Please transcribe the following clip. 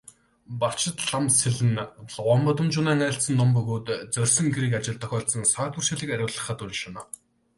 Барчидламсэл нь Ловонбадамжунайн айлдсан ном бөгөөд зорьсон хэрэг ажилд тохиолдсон саад бэрхшээлийг арилгахад уншуулна.